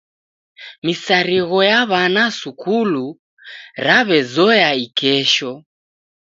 Misarigho ya w'ana sukulu raw'ezoya ikesho.